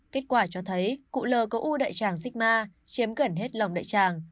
kết quả cho thấy cụ l có u đại tràng sigma chiếm gần hết lòng đại tràng